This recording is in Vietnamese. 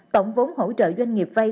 tổng vốn hỗ trợ doanh nghiệp vay